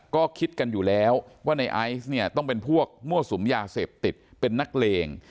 ก็คิดกันอยู่แล้วว่าในไอซ์เนี่ยต้องเป็นพวกมั่วสุมยาเสพติดเป็นนักเลง